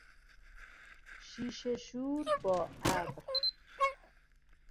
شیشه شور با ابر